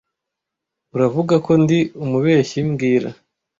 Uravuga ko ndi umubeshyi mbwira